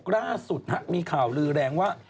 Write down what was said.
ล่าสุดมีข่าวลือแรงว่า